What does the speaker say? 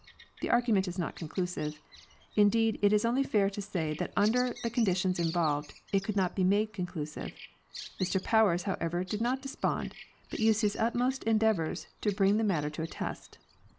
The argument is not conclusive. Indeed, it is only fair to say that under the conditions involved it could not be made conclusive. Mr Powers, however, did not despond, but used his utmost endeavors to bring the matter toa test.